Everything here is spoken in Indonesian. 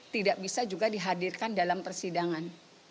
tidak bisa juga dihadirkan dalam persidangan